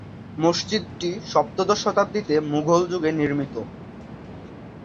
মসজিদটি সপ্তদশ শতাব্দীতে মুঘল যুগে নির্মিত।